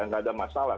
tidak ada masalah